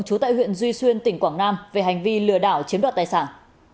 trú tại huyện duy xuyên tỉnh quảng nam về hành vi lừa đảo chiếm đoạt tài sản